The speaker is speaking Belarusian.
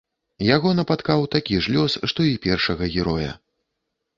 Яго напаткаў такі ж лёс, што і першага героя.